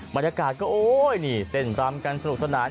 บรรยากาศก็เต้นตามกันสนุกสนาน